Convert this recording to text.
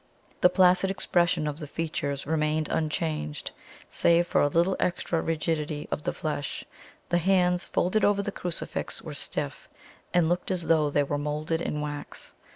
The placid expression of the features remained unchanged, save for a little extra rigidity of the flesh; the hands, folded over the crucifix, were stiff, and looked as though they were moulded in wax.